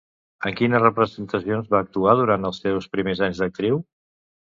En quines representacions va actuar durant els seus primers anys d'actriu?